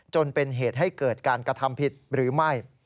จนเป็นเหตุให้เกิดการกระทำผิดหรือไม่